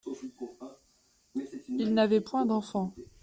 Ils n’avaient point d’enfants.